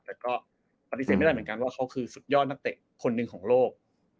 แต่ก็ปฏิเสธไม่ได้เหมือนกันว่าเขาคือสุดยอดนักเตะคนหนึ่งของโลก